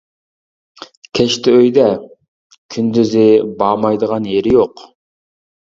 كەچتە ئۆيدە، كۈندۈزى، بارمايدىغان يېرى يوق.